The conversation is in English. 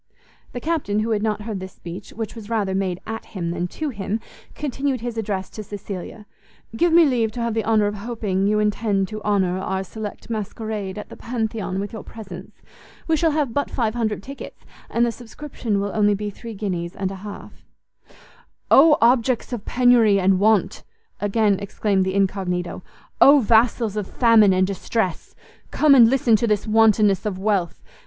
The Captain, who had not heard this speech, which was rather made at him than to him, continued his address to Cecilia; "Give me leave to have the honour of hoping you intend to honour our select masquerade at the Pantheon with your presence. We shall have but five hundred tickets, and the subscription will only be three guineas and a half." "Oh objects of penury and want!" again exclaimed the incognito; "Oh vassals of famine and distress! Come and listen to this wantonness of wealth!